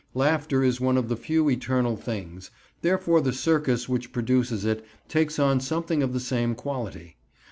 Laughter is one of the few eternal things; therefore the circus which produces it takes on something of the same quality.